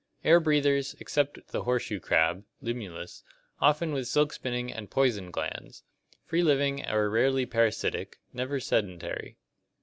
Air breathers, except the horseshoe crab (Limulus), often with silk spinning and poison glands. Free living or rarely parasitic, never sedentary.